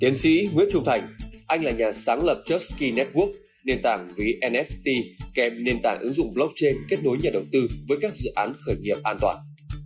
tiến sĩ nguyễn trung thành anh là nhà sáng lập chucky network nền tảng gft kèm nền tảng ứng dụng blockchain kết nối nhà đầu tư với các dự án khởi nghiệp an toàn